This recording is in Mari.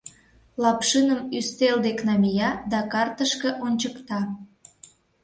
Лапшиным ӱстел дек намия да картышке ончыкта.